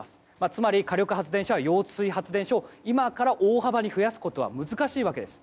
つまり火力発電所や揚水発電所を今から大幅に増やすことは難しいわけです。